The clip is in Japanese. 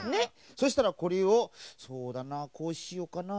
そしたらこれをそうだなこうしようかな。